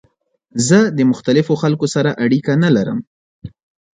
زه د مختلفو خلکو سره اړیکه نه لرم.